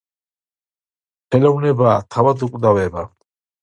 ხელოვნებაა თავად უკვდავება